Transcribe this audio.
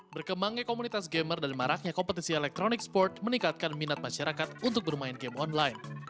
berkembangnya komunitas gamer dan maraknya kompetisi elektronik sport meningkatkan minat masyarakat untuk bermain game online